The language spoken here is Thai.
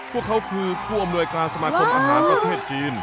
พวกเขาคือผู้อำนวยการสมาคมอาหารประเทศจีน